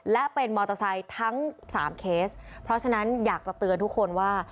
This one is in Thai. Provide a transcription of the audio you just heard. และเป็นมอเตอร์ไซค์ทั้งสามเคสเพราะฉะนั้นอยากจะเตือนทุกคนว่า